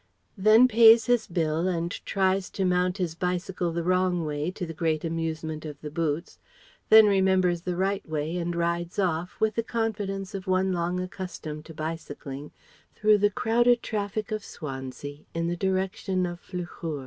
Then pays his bill and tries to mount his bicycle the wrong way to the great amusement of the Boots; then remembers the right way and rides off, with the confidence of one long accustomed to bicycling, through the crowded traffic of Swansea in the direction of Llwchwr.